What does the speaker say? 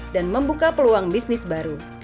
dan membuka peluang bisnis baru